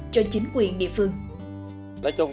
cho chính quyền địa phương